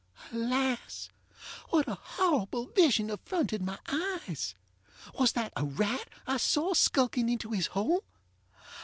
Alas! what a horrible vision affronted my eyes? Was that a rat I saw skulking into his hole?